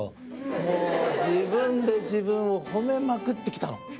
もう自分で自分をほめまくってきたの。